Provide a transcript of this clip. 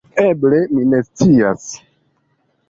Eble, mi ne scias.